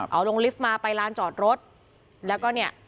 เอาลงลิฟต์มาไปลานจอดรถแล้วก็เนี่ย